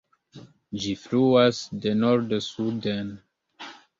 Ĝi fluas de nordo suden.